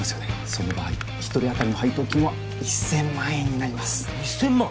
その場合一人あたりの配当金は１０００万円になります１０００万！？